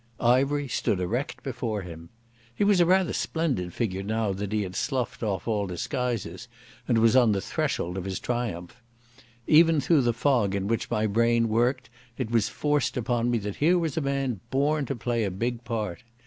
Ivery stood erect before him. He was rather a splendid figure now that he had sloughed all disguises and was on the threshold of his triumph. Even through the fog in which my brain worked it was forced upon me that here was a man born to play a big part.